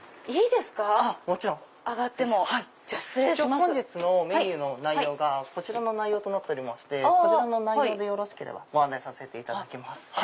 本日のメニューの内容がこちらの内容となってましてこちらでよろしければご案内させていただけます。